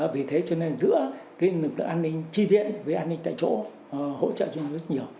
vì thế cho nên giữa cái lực lượng an ninh tri viện với an ninh tại chỗ hỗ trợ cho nhau rất nhiều